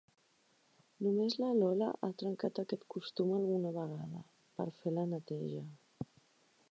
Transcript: Només la Lola ha trencat aquest costum alguna vegada, per fer la neteja.